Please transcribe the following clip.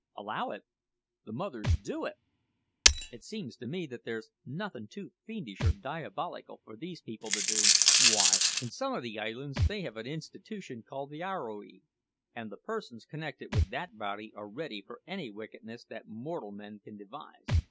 "Allow it? the mothers do it! It seems to me that there's nothing too fiendish or diabolical for these people to do. Why, in some of the islands they have an institution called the Areoi, and the persons connected with that body are ready for any wickedness that mortal man can devise.